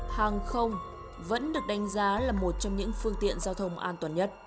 hàng không vẫn được đánh giá là một trong những phương tiện giao thông an toàn nhất